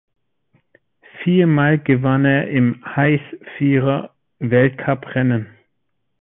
Viermal gewann er im Hays-Vierer Weltcuprennen.